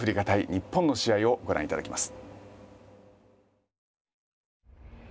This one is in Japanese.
日本の試合をご覧いただきます。